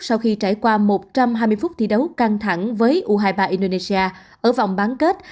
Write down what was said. sau khi trải qua một trăm hai mươi phút thi đấu căng thẳng với u hai mươi ba indonesia ở vòng bán kết